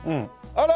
あら！